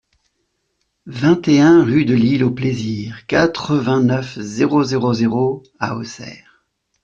vingt et un rue de l'Île aux Plaisirs, quatre-vingt-neuf, zéro zéro zéro à Auxerre